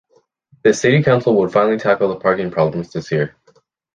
The city council would finally tackle the parking problems this year.